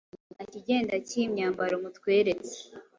Yewe ntakigenda cyiyimyambaro mutweretse